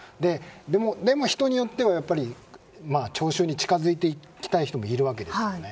でも人によっては聴衆に近づいていきたい人もいるわけですよね。